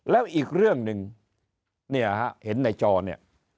แล้วอีกเรื่องหนึ่งเนี่ยฮะเห็นในจอเนี่ย